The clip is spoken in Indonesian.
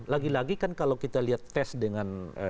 lagi lagi kan kalau kita lihat tes dengan